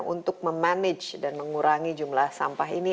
untuk memanage dan mengurangi jumlah sampah ini